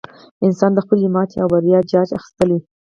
انسان د خپلې ماتې او بریا جاج اخیستلی.